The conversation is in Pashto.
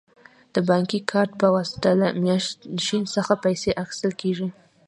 د بانکي کارت په واسطه له ماشین څخه پیسې اخیستل کیږي.